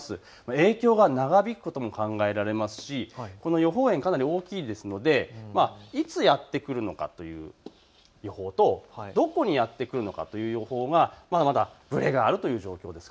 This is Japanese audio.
影響が長引くことも考えられますし、この予報円かなり大きいですのでいつやって来るのかという予報とどこにやって来るのかという予報がまだまだぶれがあるという状況です。